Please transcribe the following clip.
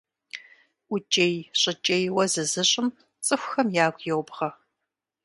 ӀукӀей-щӀыкӀейуэ зызыщӀым цӀыхухэм ягу йобгъэ.